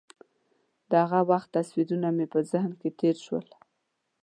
د هغه وخت تصویرونه مې ذهن کې تېر شول.